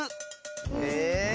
え⁉